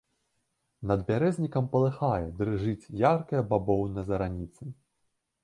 Над бярэзнікам палыхае, дрыжыць яркая бавоўна зараніцы.